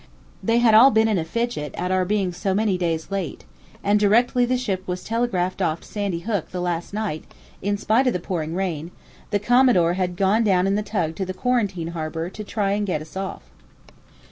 They had all been in a fidget at our being so many days late, and directly the ship was telegraphed off Sandy Hook the last night, in spite of the pouring rain, the Commodore had gone down in the tug to the Quarantine Harbour to try and get us off.